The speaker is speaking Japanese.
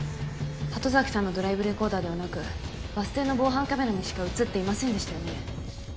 鳥飼さんのドライブレコーダーではなくバス停の防犯カメラにしか映っていませんでしたよね？